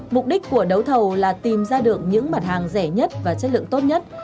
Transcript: mục đích của đấu thầu là tìm ra được những mặt hàng rẻ nhất và chất lượng tốt nhất